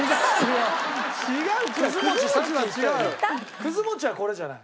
くず餅はこれじゃない。